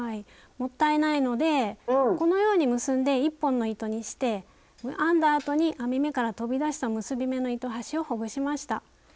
もったいないのでこのように結んで一本の糸にして編んだ後に編み目から飛び出した結び目の糸端をほぐしました。